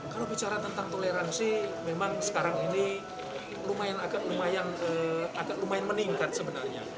kalau bicara tentang toleransi memang sekarang ini agak lumayan meningkat sebenarnya